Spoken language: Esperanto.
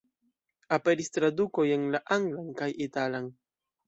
Aperis tradukoj en la anglan kaj italan.